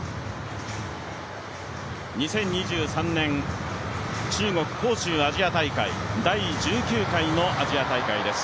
２０２３年中国・杭州アジア大会第１９回のアジア大会です。